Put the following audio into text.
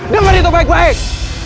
denger itu baik baik